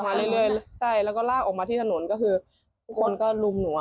เรื่อยใช่แล้วก็ลากออกมาที่ถนนก็คือทุกคนก็ลุมหนูอ่ะ